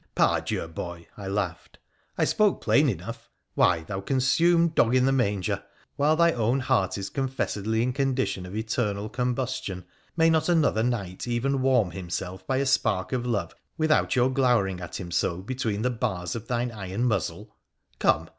' Par Dieu, boy !' I laughed. ' I spoke plain enough ! Why, thou consumed dog in the manger, while thy own heart is confessedly in condition of eternal combustion, may not another knight even warm himself by a spark of love without your glowering at him so between the bars of thine iron muzzle ? Come